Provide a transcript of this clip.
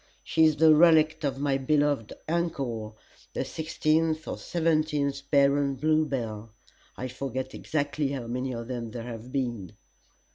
She is the relict of my beloved uncle, the sixteenth or seventeenth Baron Bluebell I forget exactly how many of them there have been.